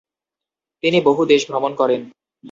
তিনি বহু দেশ ভ্রমণ করেন।